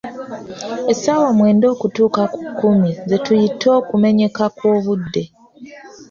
Essaawa mwenda okutuuka ku kkumi ze tuyita "okumenyeka kw’obudde".